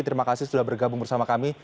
terima kasih sudah bergabung bersama kami